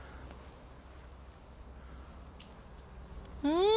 うん！